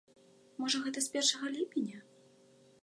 Можа гэта з першага ліпеня?